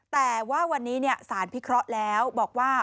แต่ว่าวันนี้สารพิเคราะห์แล้วบอกว่า